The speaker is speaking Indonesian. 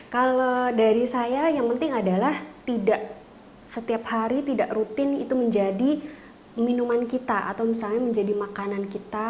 kalau dari saya yang penting adalah tidak setiap hari tidak rutin itu menjadi minuman kita atau misalnya menjadi makanan kita